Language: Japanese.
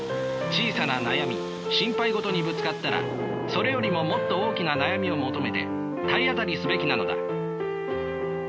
小さな悩み心配事にぶつかったらそれよりももっと大きな悩みを求めて体当たりすべきなのだ。